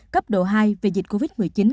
cấp độ hai về dịch covid một mươi chín